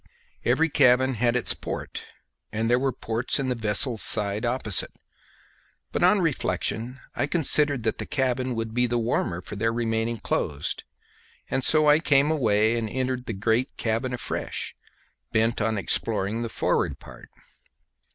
Every cabin had its port, and there were ports in the vessel's side opposite; but on reflection I considered that the cabin would be the warmer for their remaining closed, and so I came away and entered the great cabin afresh, bent on exploring the forward part.